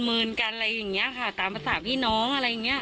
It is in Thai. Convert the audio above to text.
เหมือนกันอะไรอย่างเงี้ยค่ะตามภาษาพี่น้องอะไรอย่างเงี้